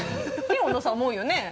ねぇ小野さん思うよね？